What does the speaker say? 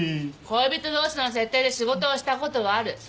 恋人同士の設定で仕事をしたことがある。